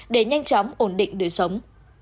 để nhanh chóng ổn định đời sống